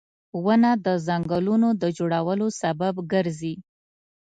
• ونه د ځنګلونو د جوړولو سبب ګرځي